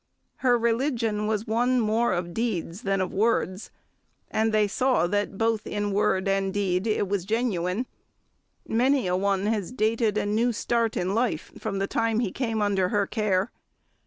Her religion was one more of deeds than of words, and they saw that both in word and deed it was genuine. Many a one has dated a new start in life from the time he came under her care.